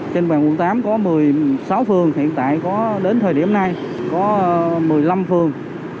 trên bàn quận tám có một mươi sáu phường hiện tại có đến thời điểm này có một mươi năm phường